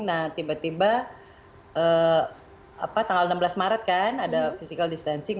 nah tiba tiba tanggal enam belas maret kan ada physical distancing